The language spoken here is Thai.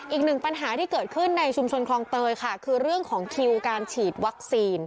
อีกหนึ่งปัญหาที่เกิดขึ้นในชุมชนคลองเตยค่ะคือเรื่องของคิวการฉีดวัคซีน